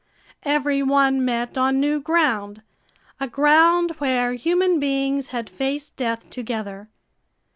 Every one met on new ground, a ground where human beings had faced death together.